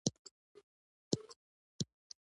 باز د زړورتیا سمبول دی